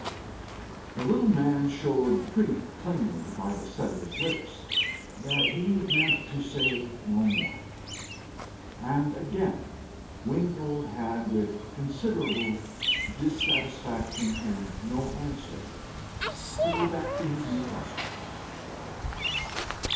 The little man showed pretty plainly by the set of his lips that he meant to say no more, and again Wingfold had, with considerable dissatisfaction and no answer, to go back to his New Testament.